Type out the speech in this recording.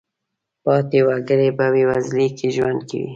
پاتې وګړي په بېوزلۍ کې ژوند کوي.